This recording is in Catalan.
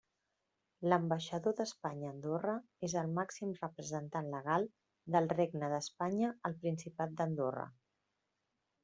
L'ambaixador d'Espanya a Andorra és el màxim representant legal del Regne d'Espanya al Principat d'Andorra.